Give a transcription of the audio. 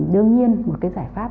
đương nhiên một cái giải pháp